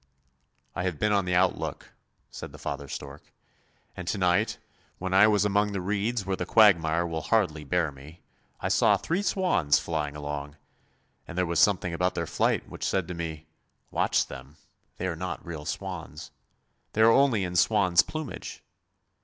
" I have been on the outlook," said father stork, " and to night when I was among the reeds where the quagmire will hardly bear me, I saw three swans flying along, and there was something about their flight which said to me, ' watch them, they are not real swans! They are only in swan's plumage.'